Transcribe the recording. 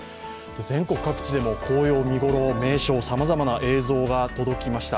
全国各地でも紅葉、見頃、名所、さまざまな映像が届きました。